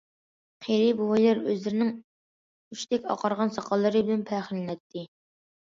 قېرى بوۋايلار ئۆزلىرىنىڭ ئۇچتەك ئاقارغان ساقاللىرى بىلەن پەخىرلىنەتتى.